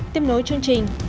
tiếp nối chương trình